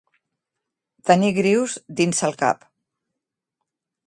Tenir grius dins el cap.